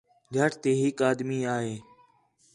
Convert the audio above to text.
جَھٹ تی ہِک آدمی آ ہِے